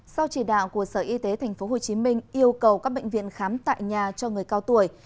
sau chỉ đạo của sở y tế tp hcm yêu cầu các bệnh viện khám tại nhà cho người cao tuổi